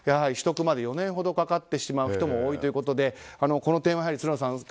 取得まで４年ほどかかってしまう人も多いということでこの点はつるのさん